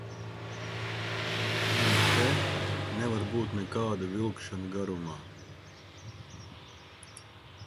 Un te nevar būt nekāda vilkšana garumā!